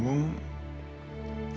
ibu ngapain kesini